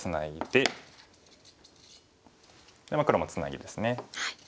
で黒もツナギですね。